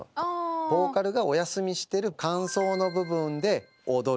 ボーカルがお休みしてる間奏の部分で踊る。